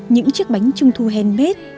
những chiếc bánh trung thu handmade